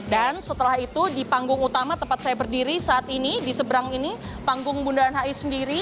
dan setelah itu di panggung utama tempat saya berdiri saat ini di seberang ini panggung bunda nhi sendiri